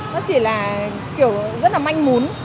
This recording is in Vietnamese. nó chỉ là kiểu rất là manh mún